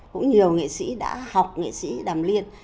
cũng nhiều nghệ sĩ đã học nghệ sĩ đàm liên